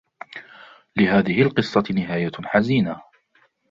لهذه القصّة نهاية حزينة.